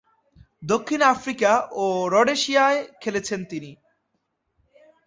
দক্ষিণ আফ্রিকা ও রোডেশিয়ায় খেলেছেন তিনি।